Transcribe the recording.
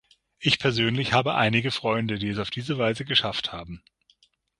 Ich persönlich habe einige Freunde, die es auf diese Weise geschafft haben.